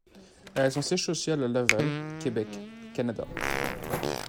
Elle a son siège social à Laval, Québec, Canada.